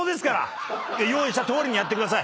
用意したとおりやってください。